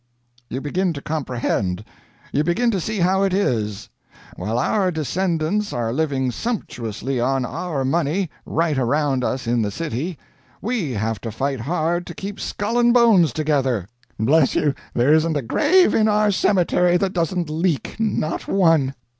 "You begin to comprehend you begin to see how it is. While our descendants are living sumptuously on our money, right around us in the city, we have to fight hard to keep skull and bones together. Bless you, there isn't a grave in our cemetery that doesn't leak not one.